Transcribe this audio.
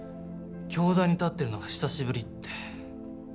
教壇に立ってるのが久しぶりって。